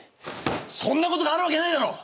そんなことがあるわけないだろ！